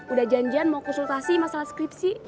udah janjian mau konsultasi masalah skripsi